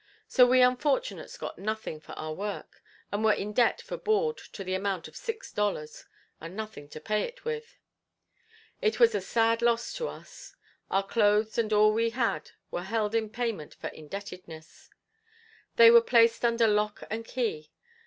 So we unfortunates got nothing for our work and were in debt for board to the amount of six dollars, and nothing to pay it with. It was a sad loss to us. Our clothes and all we had were held in payment for indebtedness. They were placed under lock and key.